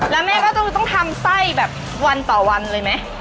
แล้วแม่ก็จะต้องทำไส้แบบวันต่อวันเลยไหม